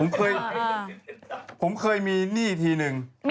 ผมเคยมีหนี้ทีนึง